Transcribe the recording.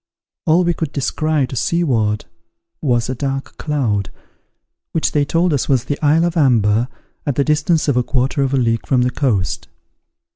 All we could descry to seaward was a dark cloud, which they told us was the isle of Amber, at the distance of a quarter of a league from the coast.